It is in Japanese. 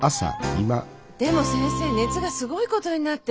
でも先生熱がすごいことになってて。